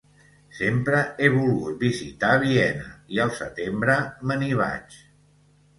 Sempre he volgut visitar Viena i al setembre me n'hi vaig.